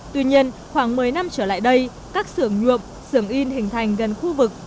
tuy nhiên khoảng một mươi năm trở lại đây các xưởng nhuộm sưởng in hình thành gần khu vực